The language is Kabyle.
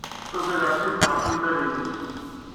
Ugadeɣ s tidet ɣef yimal-nnek.